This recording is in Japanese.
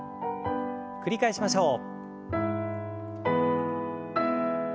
繰り返しましょう。